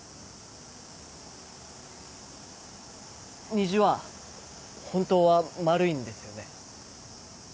虹は本当はまるいんですよね？